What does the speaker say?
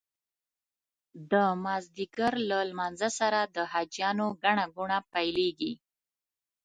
د مازدیګر له لمانځه سره د حاجیانو ګڼه ګوڼه پیلېږي.